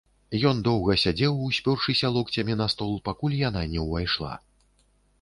Ён доўга сядзеў, успёршыся локцямі на стол, пакуль яна не ўвайшла.